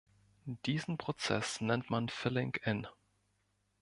Diesen Prozess nennt man filling-in.